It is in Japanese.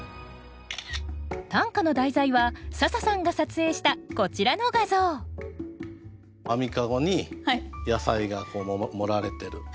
短歌の題材は笹さんが撮影したこちらの画像網駕籠に野菜が盛られてる。